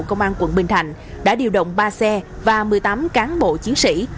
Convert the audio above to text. công an quận bình thạnh đã điều động ba xe và một mươi tám cán bộ chiến sĩ